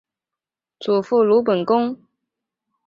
祖父鲁本恭。